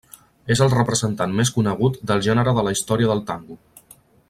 És el representant més conegut del gènere en la història del tango.